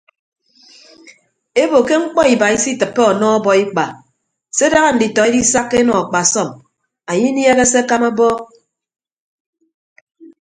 Ebo ke mkpọ iba isitịppe ọnọ ọbọikpa se daña nditọ edisakka enọ akpasọm anye inieehe se akama abọọk.